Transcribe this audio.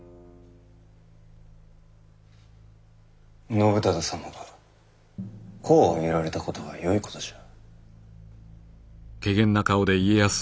信忠様が功を挙げられたことはよいことじゃ。